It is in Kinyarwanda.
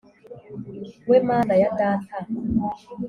we Mana ya data